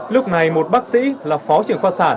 lúc này một bác sĩ là phó trưởng khoa sản